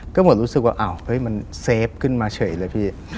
ก็หมดรู้สึกว่ามันเซฟขึ้นมาเฉยเลย